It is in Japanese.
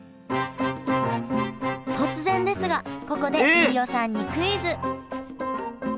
突然ですがここで飯尾さんにクイズ！